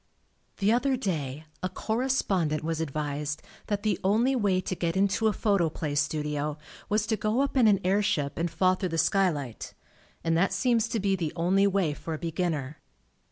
The other day a correspondent was ad vised that the only way to get into a Photoplay studio was to go up in an air ship and fall thru the skylight, and that seems to be the only way for a beginner.